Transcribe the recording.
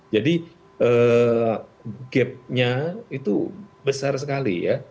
jadi gap nya itu besar sekali ya